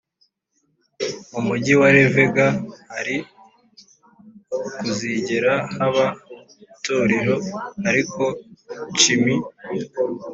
Mu mugi wa la vega hari kuzigera haba itorero ariko nshimi